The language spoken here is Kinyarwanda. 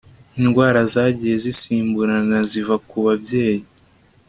Indwara zagiye zisimburana ziva ku babyeyi